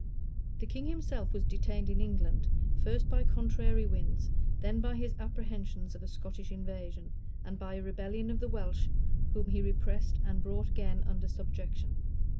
{1295.} The king himself was detained in England, first by contrary winds,[] then by his apprehensions of a Scottish invasion, and by a rebellion of the Welsh, whom he repressed and brought again under subjection.